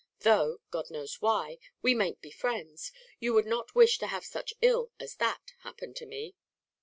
Though God knows why we mayn't be friends, you would not wish to have such ill as that happen to me."